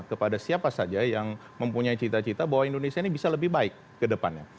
kepada siapa saja yang mempunyai cita cita bahwa indonesia ini bisa lebih baik ke depannya